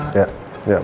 silahkan waktunya pak